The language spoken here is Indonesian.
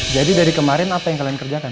jadi dari kemarin apa yang kalian kerjakan